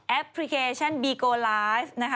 พลิเคชันบีโกไลฟ์นะคะ